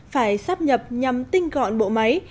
phải sắp nhập nhằm tinh gọn bộ máy